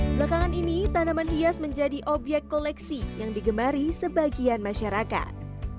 belakangan ini tanaman hias menjadi obyek koleksi yang digemari sebagian masyarakat